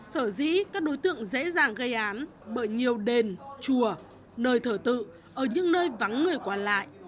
sở dĩ các đối tượng dễ dàng gây án bởi nhiều đền chùa nơi thờ tự ở những nơi vắng người qua lại